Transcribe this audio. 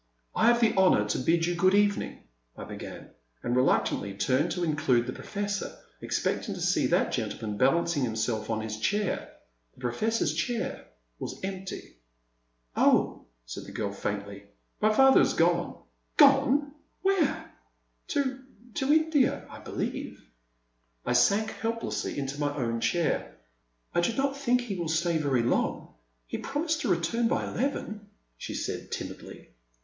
I have the honour to bid you good evening, I began, and reluctantly turned to include the Professor, expecting to see that gentleman balanc ing himself on his chair. The Professor* s chair was empty. Oh, said the girl, faintly, my father has gone. Gone! Where? To— to India, I beUeve. I sank helplessly into my own chair. I do not think he will stay very long — ^he promised to return by eleven, she said, timidly.